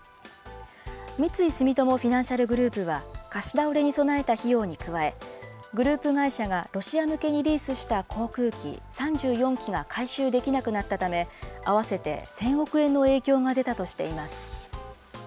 三井住友フィナンシャルグループは貸し倒れに備えた費用に加え、グループ会社がロシア向けにリースした航空機３４機が回収できなくなったため、合わせて１０００億円の影響が出たとしています。